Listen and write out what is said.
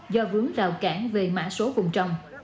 do vướng rào cản về mã số cùng trồng